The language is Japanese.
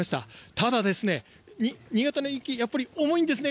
ただ、新潟の雪やっぱり重いんですね。